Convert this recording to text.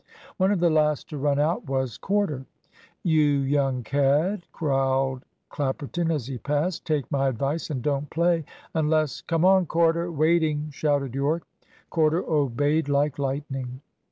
One of the last to run out was Corder. "You young cad," growled Clapperton as he passed; "take my advice and don't play, unless " "Come on, Corder waiting," shouted Yorke. Corder obeyed like lightning.